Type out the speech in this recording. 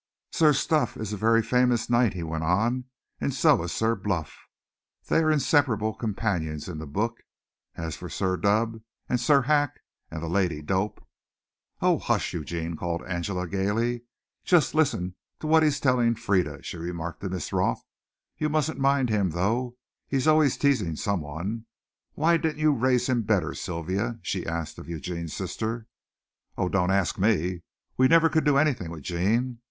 "Sir Stuff is a very famous Knight," he went on, "and so is Sir Bluff. They're inseparable companions in the book. As for Sir Dub and Sir Hack, and the Lady Dope " "Oh, hush, Eugene," called Angela gaily. "Just listen to what he's telling Frieda," she remarked to Miss Roth. "You mustn't mind him though. He's always teasing someone. Why didn't you raise him better, Sylvia?" she asked of Eugene's sister. "Oh, don't ask me. We never could do anything with Gene.